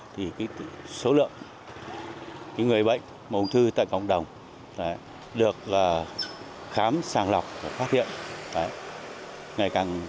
thì số lượng người bệnh ung thư tại cộng đồng được khám sàng lọc và phát hiện